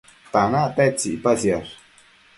tanac tedtsi icpatsiash?